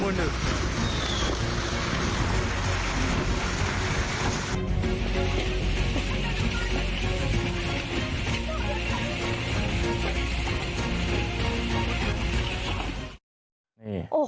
โอ้โหพังเรียบเป็นหน้ากล่องเลยนะครับ